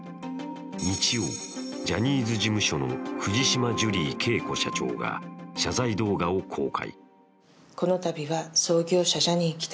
日曜、ジャニーズ事務所の藤島ジュリー景子社長が謝罪動画を公開。